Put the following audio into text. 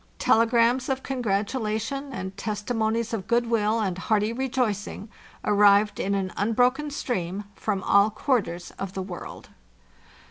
Telegrams of congratulation, and testimonies of goodwill and hearty rejoicing, arrived in an unbroken stream from all quarters of the world.